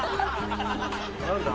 何だ？